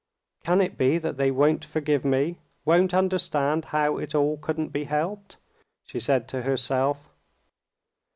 "Can it be that they won't forgive me, won't understand how it all couldn't be helped?" she said to herself.